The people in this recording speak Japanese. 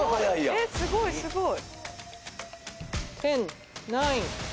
えすごいすごい。